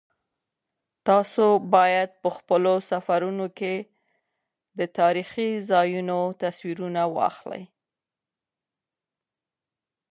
تاسو باید په خپلو سفرونو کې د تاریخي ځایونو تصویرونه واخلئ.